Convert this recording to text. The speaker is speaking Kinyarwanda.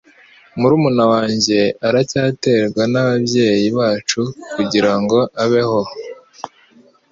Murumuna wanjye aracyaterwa nababyeyi bacu kugirango abeho.